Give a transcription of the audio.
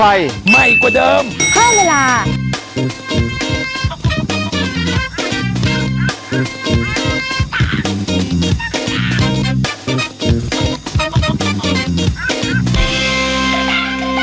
อ่ะมาเถอะ